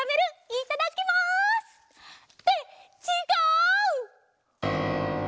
いただきます！ってちがう！